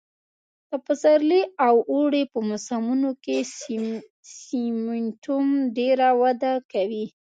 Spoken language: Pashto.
د پسرلي او اوړي په موسمونو کې سېمنټوم ډېره وده کوي